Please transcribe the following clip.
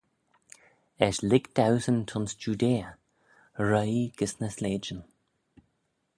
Eisht lhig dauesyn t'ayns Judea, roie gys ny sleityn.